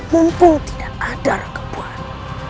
mumpung tidak ada rangga buwana